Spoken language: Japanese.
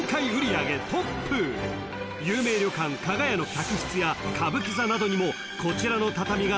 ［有名旅館加賀屋の客室や歌舞伎座などにも］